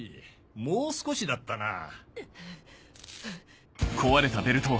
もう少しだったなぁ。